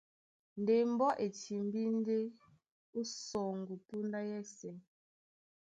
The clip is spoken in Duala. Ndé mbɔ́ e timbí ndé ó sɔŋgɔ póndá yɛ́sɛ̄.